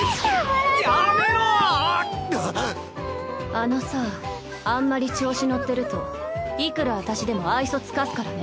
あのさあんまり調子乗ってるといくら私でも愛想尽かすからね。